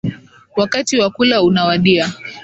Wakati wa kula unawadia